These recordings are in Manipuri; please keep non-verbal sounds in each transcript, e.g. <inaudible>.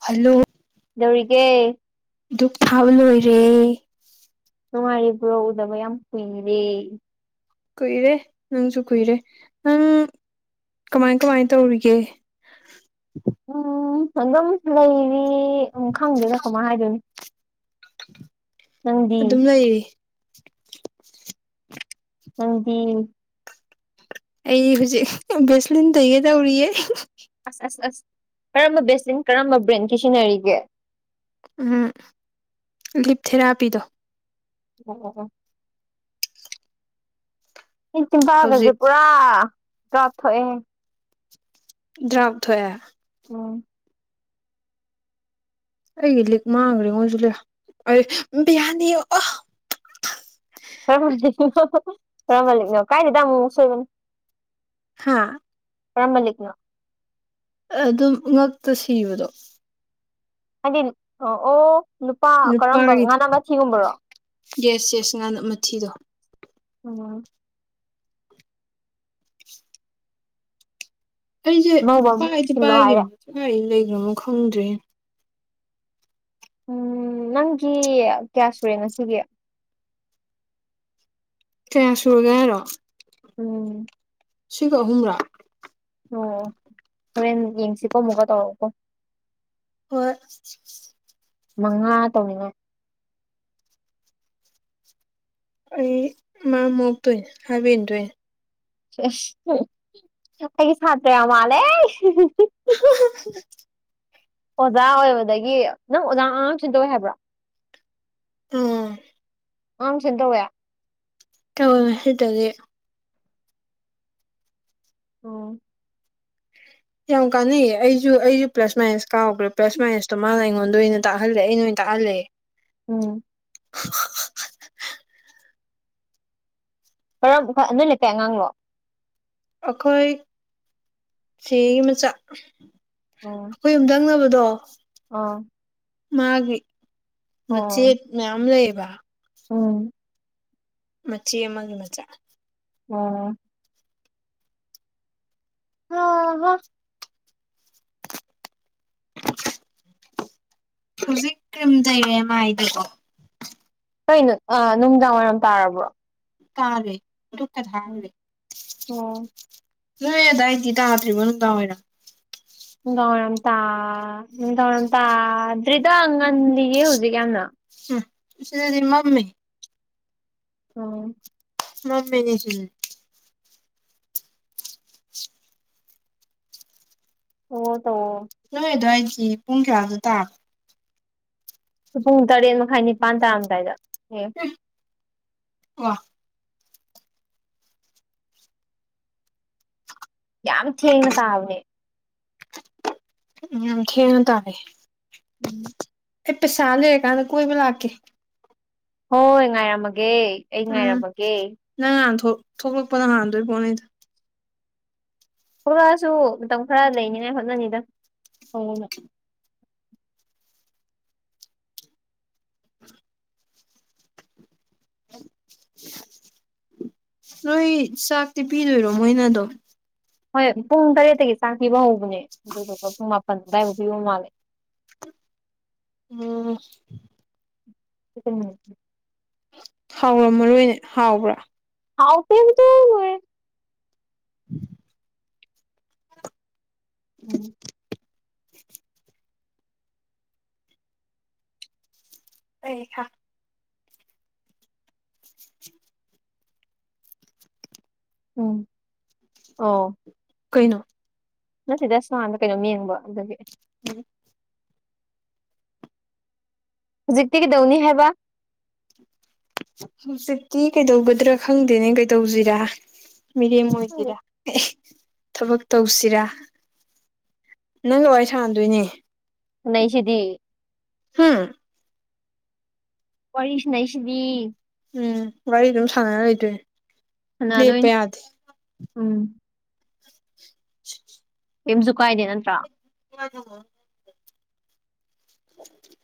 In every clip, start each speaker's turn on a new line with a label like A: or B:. A: ꯍꯜꯂꯣ
B: ꯀꯩꯗꯧꯔꯤꯒꯦ
A: ꯗꯨꯛ ꯊꯥꯕ ꯂꯣꯏꯔꯦ
B: ꯅꯨꯡꯉꯥꯏꯔꯤꯕ꯭ꯔꯣ ꯎꯗꯕꯥ ꯌꯥꯝ ꯀꯨꯏꯔꯦ
A: ꯀꯨꯏꯔꯦ ꯅꯪꯁꯨ ꯀꯨꯏꯔꯦ ꯅꯪ ꯀꯃꯥꯏ ꯀꯃꯥꯏ ꯇꯧꯔꯤꯒꯦ
B: ꯎꯝ ꯑꯗꯨꯝ ꯂꯩꯔꯤ ꯎꯝ ꯈꯪꯗꯦꯗ ꯀꯃꯥꯏ ꯍꯥꯏꯗꯣꯏꯅꯣ ꯅꯪꯗꯤ
A: ꯑꯗꯨꯝ ꯂꯩꯔꯤ
B: ꯅꯪ ꯗꯤ
A: ꯑꯩ ꯍꯧꯖꯤꯛ ꯕꯦꯁꯂꯤꯟ ꯇꯩꯒꯦ ꯇꯧꯔꯤꯌꯦ
B: ꯑꯁ ꯑꯁ ꯑꯁ ꯀꯔꯝꯕ ꯕꯦꯁꯂꯤꯟ ꯀꯔꯝꯕ ꯕ꯭ꯔꯦꯟꯒꯤ ꯁꯤꯖꯤꯟꯅꯔꯤꯒꯦ
A: ꯎꯝ ꯂꯤꯞ ꯊꯦꯔꯥꯄꯤꯗꯣ
B: ꯑꯣ ꯑꯣ ꯑꯣ ꯏ ꯆꯤꯝꯕꯥꯜꯒꯥꯁꯦ
A: ꯍꯧꯖꯤꯛ
B: ꯄꯨꯔꯥ ꯗ꯭ꯔꯥꯞ ꯊꯣꯛꯑꯦ
A: ꯗ꯭ꯔꯥꯞ ꯊꯣꯛ ꯑꯦ
B: ꯎꯝ
A: ꯑꯩꯒꯤ ꯂꯤꯛ ꯃꯥꯡꯈ꯭ꯔꯦꯉꯣ ꯁꯤ ꯂꯩꯔꯦ ꯑꯩ ꯕꯤꯌꯥꯅꯤꯌꯣ ꯑꯣ
B: ꯈꯔ ꯈꯔ ꯃꯂꯤꯛꯅꯣ ꯀꯥꯏꯗꯦꯗ ꯑꯃꯨꯛ ꯁꯣꯏꯕꯅꯦ
A: ꯍꯥꯥ
B: ꯀꯔꯝꯕ ꯂꯤꯛꯅꯣ
A: ꯑꯗꯨꯝ ꯉꯛꯇ ꯁꯤꯕꯗꯣ
B: ꯍꯥꯏꯗꯤ ꯑ ꯑꯣ ꯅꯨꯄꯥ ꯀꯔꯝꯕ
A: ꯅꯨꯄꯥꯒꯤꯗꯣ
B: ꯉꯥꯅ ꯃꯊꯤꯒꯨꯝꯕꯔꯣ
A: ꯌꯦꯁ ꯌꯦꯁ ꯉꯥꯟ ꯃꯊꯤꯗꯣ
B: ꯎꯝ
A: ꯑꯩꯁꯦ
B: ꯑꯉꯧꯕ ꯑꯃ
A: ꯄꯥꯏꯗꯤ
B: ꯁꯤꯜꯂꯣ ꯍꯥꯏꯔꯦ
A: ꯄꯥꯏꯒꯤꯝꯅꯤ ꯀꯥꯏꯗ ꯂꯩꯈ꯭ꯔꯅꯣ ꯈꯪꯗ꯭ꯔꯦ
B: ꯎꯝ ꯅꯪꯒꯤ ꯀꯌꯥꯁꯨꯨꯔꯦ ꯉꯁꯤꯒꯤ
A: ꯀꯌꯥ ꯁꯨꯔꯒꯦ ꯍꯥꯏꯔꯣ
B: ꯎꯝ
A: ꯁꯤꯒ ꯑꯍꯨꯝꯔꯥ
B: ꯑꯣ ꯍꯣꯔꯦꯟ ꯌꯦꯡꯁꯤꯀꯣ ꯑꯃꯨꯛꯀ ꯇꯧꯔꯛꯎꯀꯣ
A: ꯍꯣꯏ
B: ꯃꯉꯥ ꯇꯧꯅꯤꯉꯥꯏ
A: ꯑꯩ ꯃꯥꯔꯝ ꯃꯣꯛꯇꯣꯏꯅꯦ ꯍꯥꯏꯕ ꯏꯟꯗꯣꯏꯅꯦ
B: ꯑꯁ ꯑꯩꯒꯤ ꯁꯥꯇ꯭ꯔ ꯌꯥꯝ ꯃꯥꯜꯂꯦ ꯑꯣꯖꯥ ꯑꯣꯏꯕꯗꯒꯤ ꯅꯪ ꯑꯣꯖꯥ ꯑꯉꯥꯡ ꯇꯨꯁꯟ ꯇꯧꯋꯦ ꯍꯥꯏꯕ꯭ꯔꯣ
A: ꯎꯝ
B: ꯑꯥꯡ ꯇꯨꯏꯁꯟ ꯇꯧꯋꯦ
A: ꯇꯧꯋꯦ ꯍꯥꯏꯗꯧꯋꯦ
B: ꯑꯣ
A: ꯌꯥꯝ ꯀꯥꯟꯅꯩ ꯑꯩꯁꯨ ꯑꯩꯁꯨ ꯄ꯭ꯂꯁ ꯃꯥꯏꯅꯁ ꯀꯥꯎꯈ꯭ꯔꯦ ꯄ꯭ꯂꯁ ꯃꯥꯏꯅꯁꯇꯣ ꯃꯥꯅ ꯑꯩꯉꯣꯟꯗ ꯑꯣꯏꯅ ꯇꯥꯛꯍꯜꯂꯦ ꯑꯩꯅ ꯑꯣꯏꯅ ꯇꯥꯛꯍꯜꯂꯦ
B: ꯎꯝ ꯀꯔꯝ ꯕꯨꯈꯥ ꯅꯣꯏ ꯂꯩꯀꯥꯏ ꯑꯉꯥꯡꯂꯣ
A: ꯑꯩꯈꯣꯏ ꯆꯦꯒꯤ ꯃꯆꯥ
B: ꯎꯝ
A: ꯑꯩꯈꯣꯏ ꯌꯨꯝꯗꯪꯅꯕꯗꯣ
B: ꯑꯥ
A: ꯃꯥꯒꯤ
B: ꯑꯣ
A: ꯃꯆꯦꯠ ꯃꯌꯥꯝ ꯂꯩꯌꯦꯕ
B: ꯎꯝ
A: ꯃꯆꯦ ꯑꯃꯒꯤ ꯃꯆꯥ
B: ꯑꯣ ꯍꯥ ꯍꯥ
A: ꯍꯧꯖꯤꯛ ꯀ꯭ꯔꯤꯝ ꯇꯩꯔꯦ ꯃꯥꯏꯗꯤ
B: ꯀꯩꯅꯣ ꯑ ꯅꯨꯡꯗꯥꯡꯋꯥꯏꯔꯝ ꯇꯥꯔꯕ꯭ꯔꯣ
A: ꯇꯥꯔꯦ ꯗꯨꯛꯀ
B: ꯎꯝ
A: ꯊꯒ꯭ꯔꯦ
B: ꯑꯣ
A: ꯅꯣꯢ ꯑꯗꯥꯢꯗꯤ ꯇꯗ꯭ꯔꯤꯕꯣ ꯅꯨꯡꯗꯥꯡ ꯋꯥꯢꯔꯝ
B: ꯅꯨꯡꯗꯥꯡꯋꯥꯏꯔꯝ ꯇ ꯅꯨꯡꯗꯥꯡ ꯋꯥꯔꯝ ꯇꯥꯗ꯭ꯔꯤꯗ ꯉꯜꯂꯤꯌꯦ ꯍꯧꯖꯤꯛ ꯌꯥꯝꯅ
A: ꯎꯝ ꯁꯤꯗꯗꯤ ꯃꯝꯃꯤ
B: ꯑꯣꯝ
A: ꯃꯝꯃꯦꯅꯦ ꯁꯤꯗꯗꯤ
B: ꯑꯣ ꯇꯧꯑꯣ
A: ꯅꯣꯏ ꯑꯗꯨꯋꯥꯢꯗꯗꯤ ꯄꯨꯡꯀꯌꯥꯗꯇꯒꯦ
B: ꯄꯨꯡ ꯇꯔꯦꯠ ꯃꯈꯥꯏ ꯅꯤꯄꯥꯟ ꯇꯥꯔꯝꯗꯥꯏꯗ ꯑꯦ
A: <unintelligible> ꯀꯣ
B: ꯌꯥꯝ ꯊꯦꯡꯅ ꯇꯥꯕꯅꯦ
A: ꯌꯥꯝ ꯊꯦꯡꯅ ꯇꯌꯦ
B: ꯎꯝ
A: ꯑꯩ ꯄꯩꯁꯥ ꯂꯩꯔ ꯀꯥꯟꯗ ꯀꯣꯏꯕ ꯂꯛꯀꯦ
B: ꯍꯣꯏ ꯉꯥꯏꯔꯝꯃꯒꯦ ꯑꯩ
A: ꯎꯝ
B: ꯉꯥꯏꯔꯝꯃꯒꯦ
A: ꯅꯪ ꯉꯥꯟ ꯊꯣꯛ ꯊꯣꯛꯂꯛꯄꯅ ꯍꯥꯟꯗꯣꯏ ꯄꯣꯠꯅꯤꯗ
B: ꯊꯣꯛꯂꯛꯑꯁꯨ ꯃꯇꯝ ꯈꯔ ꯂꯩꯅꯤꯉꯥꯏ ꯍꯣꯠꯅꯅꯤꯗ <unintelligible>
A: ꯅꯣꯏ ꯆꯥꯛꯇꯤ ꯄꯤꯔꯤꯔꯣ ꯃꯣꯏꯅꯑꯗꯨꯝ
B: ꯍꯣꯏ ꯄꯨꯡ ꯇꯔꯦꯠꯇꯒꯤ ꯆꯥꯛ ꯄꯤꯕ ꯍꯧꯕꯅꯦ ꯑꯗꯨꯗꯨꯒ ꯄꯨꯡ ꯃꯥꯄꯟ ꯑꯗꯨꯗꯥꯏꯐꯥꯎ ꯄꯤꯕ ꯃꯥꯜꯂꯦ
A: ꯎꯝ
B: <unintelligible>
A: ꯍꯥꯎꯔꯝ ꯃꯔꯣꯏꯅꯦ ꯍꯥꯎꯕ꯭ꯔꯥ
B: ꯍꯥꯎꯇꯦ <unintelligible> ꯂꯣꯢꯔꯦ
A: <unintelligible>
B: ꯎꯝ
A: ꯑꯩ ꯈ <unintelligible>
B: ꯎꯝ ꯑꯣ
A: ꯀꯩꯅꯣ
B: ꯅꯠꯇꯦꯗ ꯁꯣꯝꯅꯀꯟꯗ ꯀꯩꯅꯣꯝ ꯌꯦꯡꯕ ꯑꯗꯨꯒꯤ
A: ꯎꯝ
B: ꯍꯧꯖꯤꯛꯇꯤ ꯀꯩꯗꯧꯅꯤ ꯍꯥꯏꯕ
A: ꯍꯧꯖꯤꯛꯇꯤ ꯀꯩꯗꯧꯒꯗ꯭ꯔꯥ ꯈꯪꯗꯦꯅꯦ ꯀꯩꯗꯧꯖꯤꯔꯥ ꯃꯤꯔꯦꯃ
B: ꯈꯪꯗꯦ
A: ꯑꯣꯏꯁꯤꯔꯥ ꯊꯕꯛ ꯇꯧꯁꯤꯔꯥ ꯅꯪꯒ ꯋꯥꯔꯤ ꯁꯥꯟꯅꯗꯣꯏꯅꯦ
B: ꯁꯥꯟꯅꯩꯁꯤꯗꯤ
A: ꯍꯨꯝ
B: ꯋꯥꯔꯤ ꯁꯥꯟꯅꯩꯁꯤꯗꯤ
A: ꯎꯝ ꯋꯥꯔꯤ ꯑꯗꯨꯝ ꯁꯥꯟꯅꯔ ꯂꯩꯗꯣꯏꯅꯦ ꯂꯦꯞꯄ
B: ꯁꯥꯟꯅꯗꯨꯢꯅꯦ
A: ꯌꯥꯗꯦ
B: ꯎꯝ
A: <inaudible>
B: ꯀꯦꯝꯁꯨ ꯀꯥꯏꯗꯦ ꯅꯠꯇ꯭ꯔꯥ
A: ꯀꯖꯣ <unintelligible> ꯑꯣ <inaudible>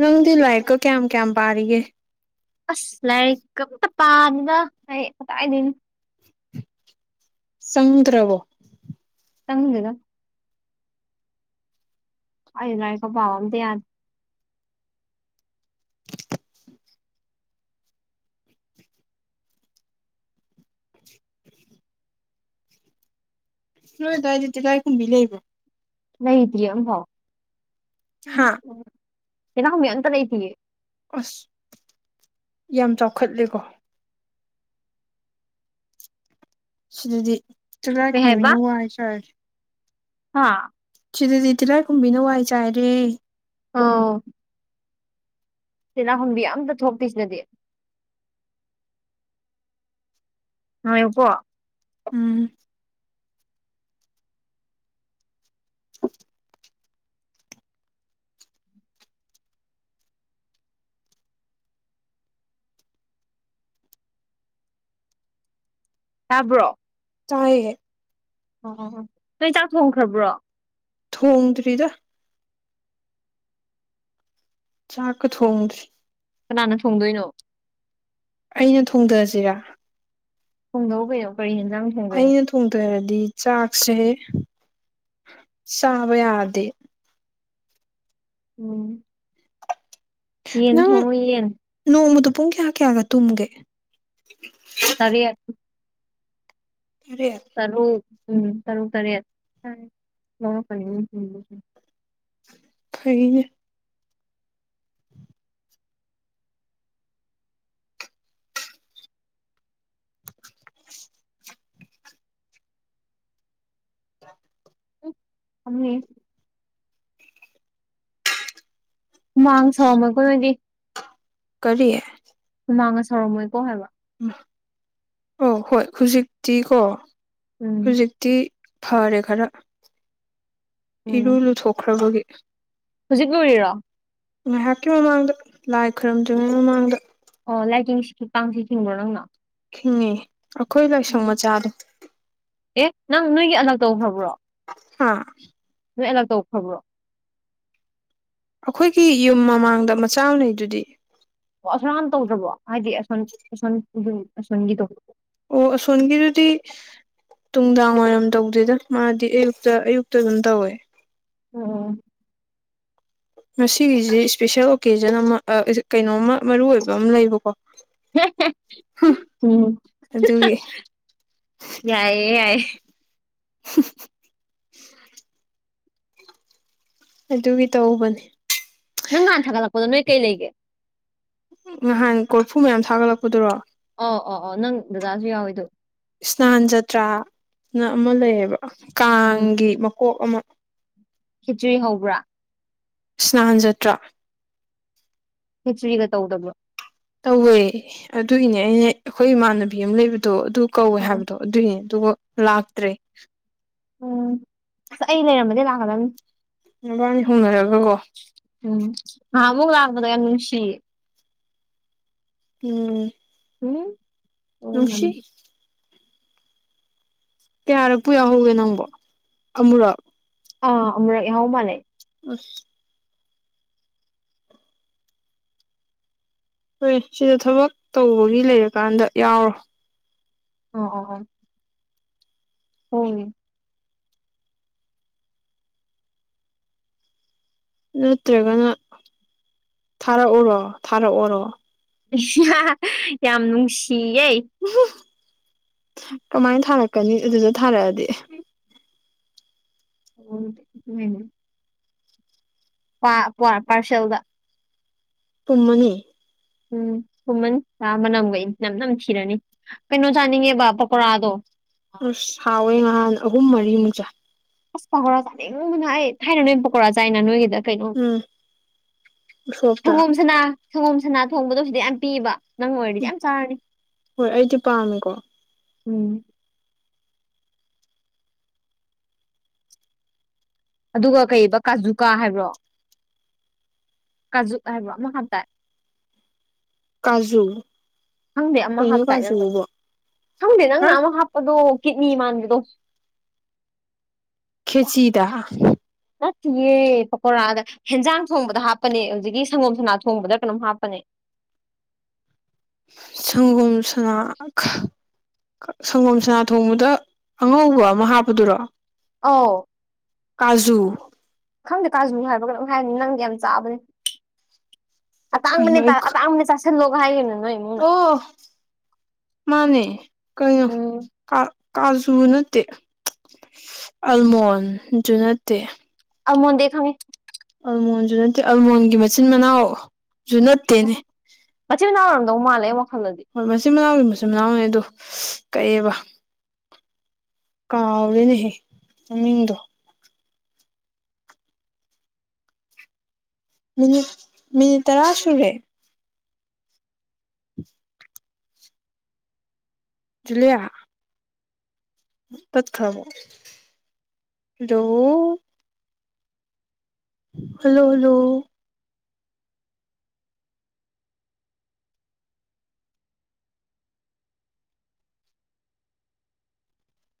A: ꯅꯪꯗꯤ ꯂꯥꯏꯔꯤꯛꯀ ꯀꯌꯥꯝ ꯀꯌꯥꯝ ꯄꯥꯔꯤꯒꯦ
B: ꯑꯁ ꯂꯥꯏꯔꯤꯛꯒ ꯑꯝꯇ ꯄꯥꯗꯦꯗ <unintelligible> ꯀꯗꯥꯏꯗꯩꯅꯣ
A: ꯆꯪꯗ꯭ꯔꯕꯣ
B: ꯆꯪꯗꯦꯗ ꯑꯩ ꯂꯥꯢꯔꯤꯛꯒ ꯄꯕꯥ ꯑꯝꯇ ꯌꯥꯗꯦ
A: ꯅꯣꯏ ꯑꯗꯨꯋꯥꯢꯗꯤ ꯇꯤꯂꯥꯢꯈꯨꯝꯕꯤ ꯂꯩꯕ꯭ꯔꯣ
B: ꯂꯩꯇꯦꯌꯦ ꯑꯃꯝꯐꯥꯎ
A: ꯍꯥ
B: ꯎꯝ ꯎꯝ ꯇꯤꯂꯥꯢꯈꯨꯝꯕꯤ ꯑꯝꯇ ꯂꯩꯇꯤꯌꯦ
A: ꯑꯁ ꯌꯥꯝ ꯆꯥꯎꯈꯠꯂꯦꯀꯣ ꯁꯤꯗꯗꯤ
B: ꯀꯩ
A: ꯇꯤꯂꯥꯢꯈꯨꯝꯕꯤꯅ ꯋꯥꯢ ꯆꯥꯢꯔꯦ
B: ꯍꯥꯥ
A: ꯁꯤꯗꯗꯤ ꯇꯤꯔꯥꯏꯈꯨꯝꯕꯤꯅ ꯋꯥꯏ ꯆꯥꯏꯔꯦ
B: ꯑꯥꯎ ꯇꯤꯂꯥꯢꯈꯨꯝꯕꯤ ꯑꯝꯇ ꯊꯣꯛꯇꯦ ꯁꯤꯗꯗꯤ ꯉꯥꯢꯌꯨꯒꯣ
A: ꯎꯝ
B: ꯇꯥꯕ꯭ꯔꯣ
A: ꯇꯥꯢꯌꯦ
B: ꯑꯣ ꯑꯣ ꯅꯣꯏ ꯆꯥꯛ ꯊꯣꯡꯈ꯭ꯔꯕ꯭ꯔꯣ
A: ꯊꯣꯡꯗ꯭ꯔꯤꯗ ꯆꯥꯛꯀ ꯊꯣꯡꯗ꯭ꯔꯤ
B: ꯀꯅꯥꯅ ꯊꯣꯡꯗꯣꯏꯅꯣ
A: ꯑꯩꯅ ꯊꯣꯡꯗꯁꯤꯔ
B: ꯍꯣꯡꯗꯧ ꯀꯩꯅꯣ ꯀꯔꯤ ꯌꯦꯟꯖꯥꯡ ꯊꯣꯡꯗꯣꯏꯅꯣ
A: ꯊꯣꯡꯗꯅꯗꯤ ꯆꯥꯛꯁꯦ ꯆꯥꯕ ꯌꯥꯗꯦ
B: ꯎꯝ ꯌꯦꯟ
A: ꯅꯪ
B: ꯊꯣꯡꯉꯣ ꯌꯦꯟ
A: ꯅꯣꯡꯃꯗ ꯄꯨꯡ ꯀꯌꯥ ꯀꯌꯥꯒ ꯇꯨꯝꯒꯦ
B: ꯇꯥꯔꯦꯠ
A: ꯇꯥꯔꯠ
B: ꯇꯔꯨꯛ ꯎꯝ ꯇꯔꯨꯛ ꯇꯔꯦꯠ ꯂꯧꯔꯛꯀꯅꯤ ꯎꯝ ꯎꯝ <unintelligible>
A: ꯐꯩꯌꯦ <inaudible> ꯑ <inaudible>
B: ꯑꯃꯤ <unintelligible> ꯍꯨꯃꯥꯟ ꯁꯥꯎꯕ ꯑꯩꯈꯣꯢꯅꯗꯤ
A: ꯀꯔꯤ
B: ꯅꯪ ꯉꯁꯥꯏ ꯁꯥꯎꯔ <unintelligible> ꯝꯃꯣꯏꯀꯣ ꯍꯥꯏꯕ
A: ꯎ ꯑꯣ ꯍꯣꯏ ꯍꯧꯖꯤꯛꯇꯤꯀꯣ
B: ꯎꯝ
A: ꯍꯧꯖꯤꯛ ꯇꯤ ꯐꯔꯦ ꯈꯔꯥ ꯏꯔꯨ
B: ꯎꯝ
A: ꯂꯨꯊꯣꯛꯈ꯭ꯔꯕꯒꯤ
B: ꯍꯧꯖꯤꯛ ꯂꯨꯔꯤꯔꯣ
A: ꯉꯥꯏꯍꯥꯛꯀꯤ ꯃꯃꯥꯡꯗ ꯂꯥꯏ ꯈꯔꯨꯝꯗ꯭ꯔꯤꯉꯩ ꯃꯃꯥꯡꯗ
B: ꯑꯣ ꯂꯥꯏꯇꯡꯁꯤ ꯈꯤ ꯄꯥꯡꯁꯤꯈꯤꯕꯕ꯭ꯔꯣ <unintelligible> ꯅꯪꯅ
A: ꯈꯤꯡꯉꯤ ꯑꯩꯈꯣꯏ ꯂꯥꯏꯁꯪ
B: ꯎꯝ
A: ꯃꯆꯥꯗꫭ
B: ꯑꯦ ꯅꯪ ꯅꯣꯏꯒꯤ ꯑꯂꯛ ꯇꯧꯈ꯭ꯔꯕ꯭ꯔꯣ
A: ꯍꯥ
B: ꯅꯣꯏ ꯑꯦꯂꯛ ꯇꯧꯈ꯭ꯔꯕ꯭ꯔꯣ
A: ꯑꯩꯈꯣꯏꯒꯤ ꯌꯨꯝ ꯃꯃꯥꯡꯗ ꯃꯆꯥꯃꯥ ꯂꯩꯗꯨꯗꯤ
B: ꯑꯣ ꯑꯁꯣꯅ <unintelligible> ꯇꯧꯗ꯭ꯔꯕꯣ ꯍꯥꯏꯗꯤ ꯑꯁ ꯑꯁ ꯑꯁꯣꯟꯒꯤꯗꫭ
A: ꯑꯣ ꯑꯁꯣꯟꯒꯤꯗꯨꯗꯤ ꯅꯨꯡꯗꯥꯡ ꯋꯥꯏꯔꯝ ꯇꯧꯗ‌ꯦꯗ ꯃꯥꯗꯤ ꯑꯌꯨꯛꯇ ꯑꯌꯨꯛꯇ ꯑꯗꯨꯝ ꯇꯧꯋꯦ
B: ꯑꯣ
A: ꯉꯁꯤꯒꯤꯁꯤ ꯏꯁꯄꯤꯦꯁꯦꯜ ꯑꯣꯀꯦꯖꯟ ꯑꯃꯥ ꯀꯩꯅꯣꯝꯃ ꯃꯔꯨꯏꯕ ꯑꯃꯥ ꯂꯩꯕꯀꯣ
B: ꯎꯝ
A: ꯑꯗꯨꯒꯤ
B: ꯌꯥꯏꯌꯦ ꯌꯥꯏꯌ‌ꯦ
A: ꯑꯗꯨꯒꯤ ꯇꯧꯕꯅꯤ
B: ꯅꯪ ꯉꯍꯥꯟ ꯊꯥꯒꯠꯂꯛꯄꯗꯣ ꯅꯣꯏ ꯀꯩ ꯂꯩꯒꯦ
A: ꯅꯍꯥꯟ ꯀꯣꯔꯐꯨ ꯃꯌꯥꯝ ꯊꯥꯒꯠꯂꯛꯄꯗꯨꯔꯣ
B: ꯑ ꯑꯣ ꯑꯣ ꯅꯪ ꯗꯗꯥꯁꯨ ꯌꯥꯎꯋꯦ ꯑꯗꯨ
A: ꯏꯁꯅꯥꯟ ꯖꯇ꯭ꯔꯥꯅ ꯑꯃꯥ ꯂꯩꯌꯦꯕ ꯀꯥꯡꯒꯤ ꯃꯀꯣꯛ ꯑꯃꯥ
B: ꯈꯤꯆꯤꯔꯤ ꯍꯧꯕ꯭ꯔꯥ
A: ꯏꯁ꯭ꯅꯥꯟ ꯖꯠꯇ꯭ꯔꯥ
B: ꯈꯤꯆ꯭ꯔꯤꯒ ꯇꯧꯗꯕ꯭ꯔꯣ
A: ꯇꯧꯋꯦ ꯑꯗꯨꯒꯤꯅꯦ ꯑꯩꯅ ꯑꯩꯈꯣꯏ ꯏꯃꯥꯟꯅꯕꯤ ꯑꯃꯥ ꯂꯩꯕꯗꯣ ꯑꯗꯨ ꯀꯧꯋꯦ
B: ꯎꯝ
A: ꯍꯥꯏꯕꯗꯣ ꯑꯗꯨꯏꯅꯦ ꯑꯗꯨꯒ ꯂꯥꯛꯇ꯭ꯔꯦ
B: ꯎꯝ ꯑꯁ ꯑꯩ ꯂꯩꯔꯝꯕꯗꯤ ꯂꯥꯛꯀꯗꯕꯅꯤ
A: ꯃꯕꯥꯅꯤ ꯍꯣꯡꯅꯔꯒ ꯀꫭ
B: ꯎꯝ ꯉꯍꯥꯟꯃꯨꯛ ꯂꯥꯛꯄꯗꯨ ꯌꯥꯝꯅꯨꯡꯁꯤꯌ‌ꯦ
A: ꯎꯝ
B: ꯍꯨꯡ
A: ꯅꯨꯡꯁꯤ ꯀꯌꯥꯔꯛ ꯄꯨꯜꯍꯧꯒꯦ ꯅꯪꯕꯣ ꯑꯃꯨꯔꯛ
B: ꯑꯥ ꯑꯃꯨꯔꯛ ꯌꯍꯥꯎ ꯃꯥꯅꯦ
A: ꯑꯁ ꯍꯣꯏ ꯁꯤꯗ ꯊꯕꯛ ꯇꯧꯕꯒꯤ ꯂꯩꯔꯀꯥꯟꯗ ꯌꯥꯎꯔꯣ
B: ꯑꯣ ꯑꯣ ꯑꯣ ꯍꯣꯏ
A: ꯅꯠꯇ꯭ꯔꯥꯒꯅ ꯊꯥꯔꯛꯎꯔꯣ ꯊꯥꯔꯛꯎꯔꯣ
B: ꯌꯥꯝ ꯅꯨꯡꯁꯤꯌꯦ
A: ꯀꯃꯥꯏꯅ ꯊꯥꯔꯛꯀꯅꯤ ꯑꯗꯨꯗ ꯊꯥꯔꯛꯑꯗꯤ
B: ꯑꯣ ꯎꯝ <unintelligible> ꯄꯥ ꯀ꯭ꯋꯥ ꯄꯔꯁꯦꯜꯗ
A: ꯄꯨꯝꯃꯅꯤ
B: ꯎꯝ ꯄꯨꯝꯃꯅꯤ ꯑꯥ ꯃꯅꯝꯒ ꯏꯅꯝ ꯅꯝꯊꯤꯔꯅꯤ ꯀꯩꯅꯣ ꯆꯥꯅꯤꯡꯉꯦꯕ ꯄꯀꯣꯔꯥꯗꯣ
A: ꯑꯨꯁ ꯍꯥꯎꯋꯦ ꯉꯍꯥꯟ ꯑꯍꯨꯝ ꯃꯔꯤꯃꯨꯛ ꯆꯥ
B: ꯑꯁ ꯄꯀꯣꯔꯥ ꯆꯥꯅꯤꯡꯕꯅ ꯑꯩ ꯊꯥꯏꯅꯅꯦ ꯄꯀꯣꯔꯥ ꯆꯥꯏꯅ ꯅꯣꯏꯒꯤꯗ ꯀꯩꯅꯣ
A: ꯎꯝ ꯎꯁꯣꯞꯇ
B: ꯁꯪꯒꯣꯝꯁꯅꯥ ꯁꯪꯒꯣꯝ ꯁꯅꯥ ꯊꯣꯡꯕꯗꯣ ꯁꯤꯗ ꯌꯥꯝ ꯄꯤ ꯑꯕ ꯅꯪ ꯑꯣꯏꯔꯗꯤ ꯃꯌꯥꯝ ꯆꯥꯔꯅꯤ
A: ꯍꯣꯏ ꯑꯩꯖꯨ ꯄꯥꯝꯃꯦꯀꯣ
B: ꯎꯝ ꯑꯗꯨꯒ ꯀꯩ ꯑꯕꯥ ꯀꯥꯖꯨꯀꯥ ꯍꯥꯏꯕ꯭ꯔꯣ ꯀꯥꯖꯨꯛ ꯍꯥꯏꯕ꯭ꯔꯣ ꯑꯃ ꯈꯛ ꯇ
A: ꯀꯥꯖꯨ
B: ꯈꯪꯗꯦ ꯑꯃ
A: ꯀꯩꯅꯣ
B: ꯍꯥꯞꯇꯥꯏ ꯅꯪꯅ
A: ꯀꯥꯖꯨꯕꯣ
B: ꯈꯪꯗꯦ
A: ꯍꯥ
B: ꯅꯪꯅ ꯑꯃ ꯍꯥꯞꯄꯗꯣ ꯀꯤꯠꯅꯤ ꯃꯥꯟꯕꯗꯣ
A: ꯈꯦꯆꯤꯗꯥ
B: ꯅꯠꯇꯤꯌꯦ ꯄꯀꯣꯔꯥꯗ ꯍꯦꯟꯖꯥꯡ ꯊꯣꯡꯕꯗ ꯍꯥꯞꯄꯅꯦ ꯍꯧꯖꯤꯛꯀꯤ ꯁꯪꯒꯣꯝ ꯁꯅꯥ ꯊꯣꯡꯕꯗ ꯀꯩꯅꯣꯝ ꯍꯥꯞꯄꯅꯦ
A: ꯁꯪꯒꯣꯝ ꯁꯅꯥ ꯈꯥ ꯁꯪꯒꯣꯝ ꯁꯅꯥ ꯊꯣꯡꯕꯗ ꯑꯉꯧꯕ ꯑꯃ ꯍꯥꯞꯄꯗꯨꯔꯣ
B: ꯑꯧ
A: ꯀꯥꯖꯨ
B: ꯈꯪꯗꯦ ꯀꯥꯖꯨ ꯍꯥꯏꯕ꯭ꯔꯥ ꯀꯩꯅꯣꯝ ꯍꯥꯏꯕꯅꯤ ꯅꯪꯗꯤ ꯌꯥꯝ ꯆꯥꯕꯅꯤ
A: ꯀꯩꯅꯣ
B: ꯑꯇꯥꯡꯕꯅꯦ
A: ꯑꯩ
B: ꯑꯇꯥꯡꯕꯅꯦ ꯆꯥꯁꯤꯜꯂꯣꯒ ꯍꯥꯏꯒꯤꯕꯅꯦ ꯅꯣꯏ ꯏꯃꯨꯡꯅ
A: ꯑꯣ ꯃꯥꯅꯦ ꯀꯩꯅꯣ
B: ꯎꯝ
A: ꯀꯥ ꯀꯥꯖꯨ ꯅꯠꯇꯦ ꯑꯜꯃꯣꯟꯖꯨ ꯅꯠꯇꯦ
B: ꯑꯜꯃꯣꯟꯗꯤ ꯑꯩ ꯈꯪꯉꯦ
A: ꯑꯜꯃꯣꯟꯖꯨ ꯅꯠꯇꯦ ꯑꯜꯃꯣꯟꯒꯤ ꯃꯆꯤꯟ ꯃꯅꯥꯎ ꯖꯨ ꯅꯠꯇꯦꯅꯦ
B: ꯃꯆꯤꯟ ꯃꯅꯥꯎ ꯑꯣꯏꯔꯝꯗꯧ ꯃꯥꯜꯂꯦ ꯑꯩ ꯋꯥꯈꯜꯗꯗꯤ
A: ꯍꯣꯏ ꯃꯆꯤꯟ ꯃꯅꯥꯎꯗꯤ ꯃꯆꯤꯟ ꯃꯅꯥꯎꯅꯦ ꯑꯗꯨ ꯀꯩ ꯑꯕꯥ ꯀꯥꯎꯔꯦꯅꯦꯍꯦ ꯃꯃꯤꯡꯗꯣ ꯃꯤꯅꯤꯠ ꯃꯤꯅꯤꯠ ꯇꯔꯥ ꯁꯨꯔꯦ ꯖꯨꯂꯤꯌꯥ ꯇꯠꯈ꯭ꯔꯕꯣ ꯍꯂꯣ ꯍꯜꯂꯣ ꯍꯜꯂꯣ